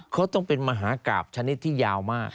เขาต้องเป็นมหากราบชนิดที่ยาวมาก